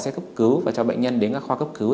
xe cấp cứu và cho bệnh nhân đến các kho cấp cứu